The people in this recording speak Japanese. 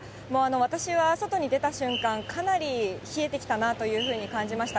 私は外に出た瞬間、かなり冷えてきたなというふうに感じました。